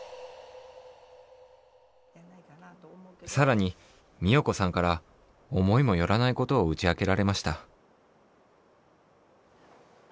さらに美代子さんから思いもよらないことをうちあけられました。